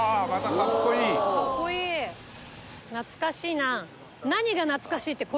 懐かしいな。